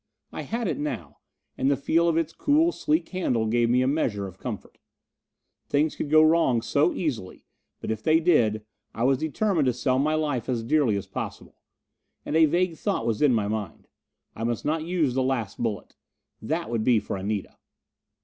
I had it now, and the feel of its cool sleek handle gave me a measure of comfort. Things could go wrong so easily but if they did, I was determined to sell my life as dearly as possible. And a vague thought was in my mind: I must not use the last bullet. That would be for Anita.